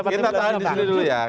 kita tahan disini dulu ya